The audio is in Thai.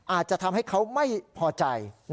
อาจจะทำให้เขาไม่พอใจ